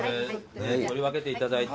取り分けていただいて。